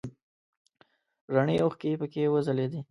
رڼې اوښکې پکې وځلیدې.